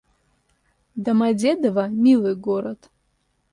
Домодедово — милый город